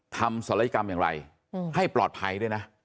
ศัลยกรรมอย่างไรให้ปลอดภัยด้วยนะ